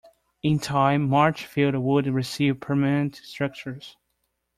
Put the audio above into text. In time, March Field would receive permanent structures.